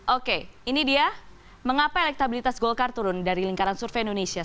oke ini dia mengapa elektabilitas golkar turun dari lingkaran survei indonesia